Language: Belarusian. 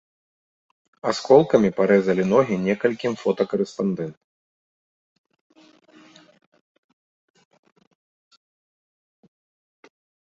Асколкамі парэзалі ногі некалькім фотакарэспандэнт.